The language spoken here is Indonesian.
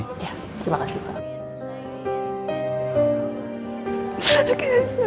ya terima kasih pak